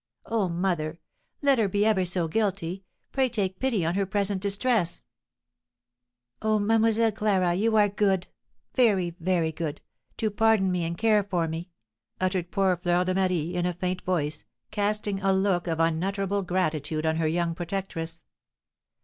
Oh, mother, let her be ever so guilty, pray take pity on her present distress!" "Oh, Mlle. Clara, you are good very, very good to pardon me and care for me," uttered poor Fleur de Marie, in a faint voice, casting a look of unutterable gratitude on her young protectress.